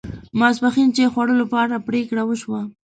ماپښین چای خوړلو په اړه پرېکړه و شوه.